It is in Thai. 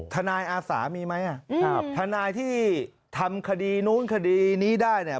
อาสามีไหมทนายที่ทำคดีนู้นคดีนี้ได้เนี่ย